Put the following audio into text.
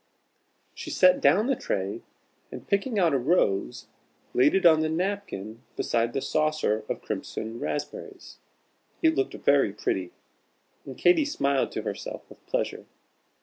She set down the tray, and picking out a rose, laid it on the napkin besides the saucer of crimson raspberries. It looked very pretty, and Katy smiled to herself with pleasure.